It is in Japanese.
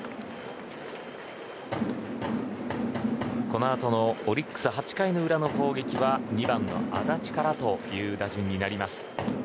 このあとのオリックス８回の裏の攻撃は２番の安達からという打順になりました。